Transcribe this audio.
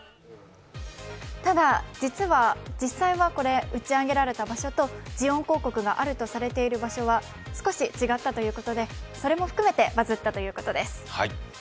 ただ、実は実際は打ち上げられた場所とジオン公国があるとされている場所と少し違ったということで、少し違ったということでそれも含めてバズったということです。